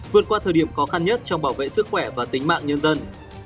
vượt qua thời điểm khó khăn nhất trong bảo vệ sức khỏe và tính mạng nhân dân